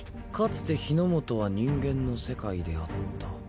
「かつて日ノ本は人間の世界であった。